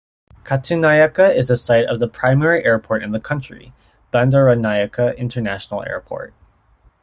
Katunayake is the site of the primary airport in the country, Bandaranaike International Airport.